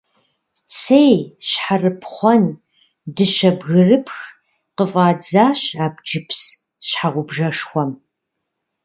Цей, щхьэрыпхъуэн, дыщэ бгырыпх къыфӀэдзащ абджыпс щхьэгъубжэшхуэм.